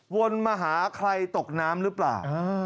วนมาหาใครตกน้ำหรือเปล่า